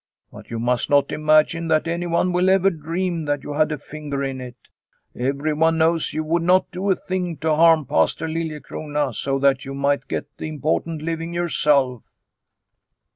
But you must not imagine that anyone will ever dream that you had a finger in it. Every one knows you would not do a thing to harm Pastor Liliecrona so that you might get the important living yourself."